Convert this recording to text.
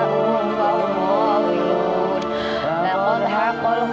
makanya ngomongnya pelan pelan